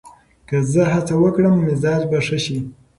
که زه هڅه وکړم، مزاج به ښه شي.